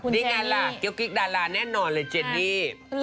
นี่ไงล่ะเกี้ยกิ๊กดาราแน่นอนเลยเจนี่